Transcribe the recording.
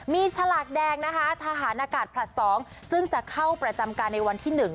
มีฉลากแดงนะคะทหารอากาศผลัด๒ซึ่งจะเข้าประจำการในวันที่๑